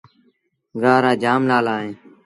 گآه رآ جآم نآلآ اهيݩ۔